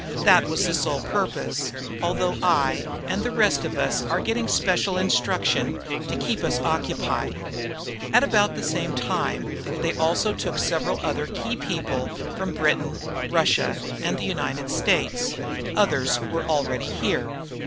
That was the sole purpose, although I and the rest of us are getting special instruction to keep us occupied. About the same time, they also took several other key people from Britain, Russia, and the United States. Others were already here.